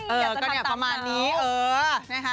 โอ๊ยอยากจะทำตามเต๋า